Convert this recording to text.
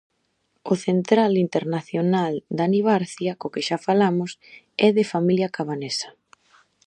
O central internacional Dani Barcia, co que xa falamos, é de familia cabanesa.